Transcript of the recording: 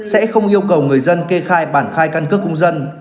sẽ không yêu cầu người dân kê khai bản khai căn cước công dân